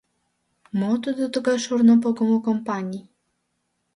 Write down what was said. Мо тудо тугай шурно погымо кампаний?